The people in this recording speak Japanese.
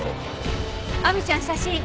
亜美ちゃん写真。